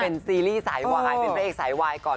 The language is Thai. เป็นซีรีส์สายวายเป็นพระเอกสายวายก่อน